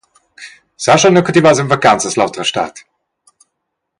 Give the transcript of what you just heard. Sas schon nua che ti vas en vacanzas l’autra stad?